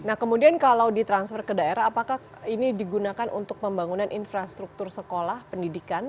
nah kemudian kalau ditransfer ke daerah apakah ini digunakan untuk pembangunan infrastruktur sekolah pendidikan